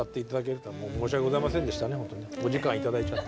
お時間いただいちゃって。